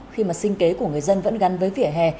khi mà sinh kế của người dân vẫn gắn với vỉa hè